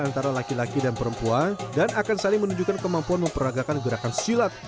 antara laki laki dan perempuan dan akan saling menunjukkan kemampuan memperagakan gerakan silat